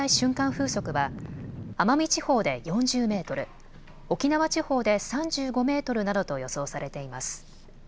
風速は奄美地方で４０メートル、沖縄地方で３５メートルなどと予想されています。